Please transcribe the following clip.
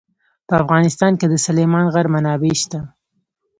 په افغانستان کې د سلیمان غر منابع شته.